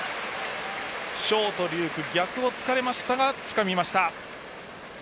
ショート、龍空が逆を突かれましたがつかみました。